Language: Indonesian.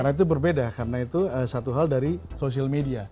karena itu berbeda karena itu satu hal dari social media